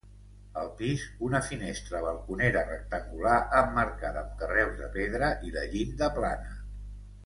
Al pis, una finestra balconera rectangular emmarcada amb carreus de pedra i la llinda plana.